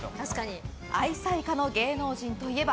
愛妻家の芸能人といえば？